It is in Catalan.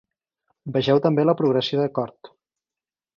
Vegeu també la progressió de Chord.